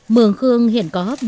mường khương hiện có